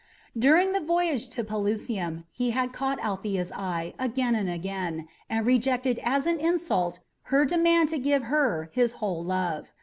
During the voyage to Pelusium he had caught Althea's eye again and again, and rejected as an insult her demand to give her his whole love.